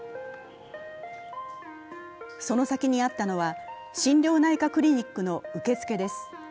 その先にあったのは、心療内科クリニックの受付です。